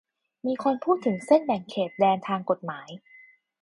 มีคนพูดถึงเส้นแบ่งเขตแดนทางกฎหมาย